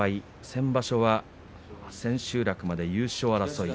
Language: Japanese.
先場所は千秋楽まで優勝争い。